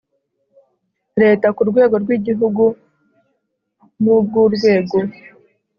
leta ku rwego rw igihugu n ubw urwego